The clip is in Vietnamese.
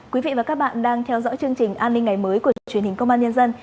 quý vị và các bạn đang theo dõi chương trình an ninh ngày mới của truyền hình công an nhân dân